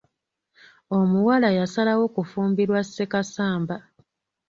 Omuwala yasalawo kufumbirwa Ssekasamba.